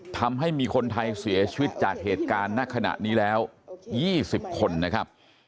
ทำให้มีคนไทยเสียชีวิตจากเหตุการณ์ณขณะนี้แล้ว๒๐คนนะครับ